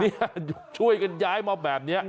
นี่ช่วยกันย้ายมาแบบนี้